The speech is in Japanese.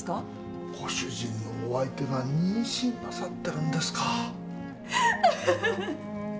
ご主人のお相手が妊娠なさってるんですか？